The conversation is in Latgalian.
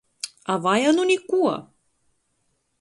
Avai, a nu nikuo!